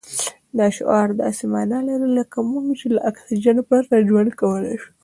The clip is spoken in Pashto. دا شعار داسې مانا لري لکه موږ چې له اکسجن پرته ژوند کولای شو.